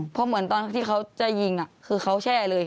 เพราะเหมือนตอนที่เขาจะยิงคือเขาแช่เลย